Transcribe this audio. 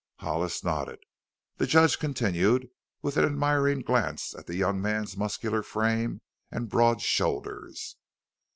Hollis nodded. The judge continued, with an admiring glance at the young man's muscular frame and broad shoulders.